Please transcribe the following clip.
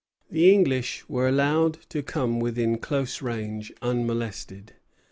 The English were allowed to come within close range unmolested.